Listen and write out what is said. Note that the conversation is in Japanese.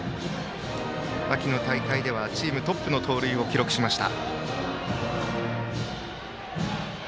秋の大会ではチームトップの盗塁を記録しました。